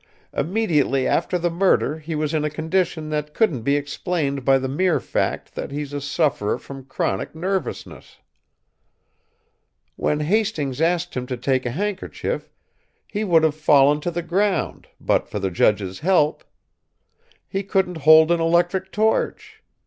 Immediately after the murder he was in a condition that couldn't be explained by the mere fact that he's a sufferer from chronic nervousness. When Hastings asked him to take a handkerchief, he would have fallen to the ground but for the judge's help. He couldn't hold an electric torch.